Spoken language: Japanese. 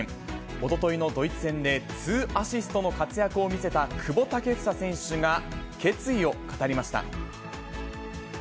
おとといのドイツ戦で２アシストの活躍を見せた久保建英選手が決意を語りました。